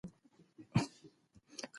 کثافات له ماشوم لرې کېږدئ.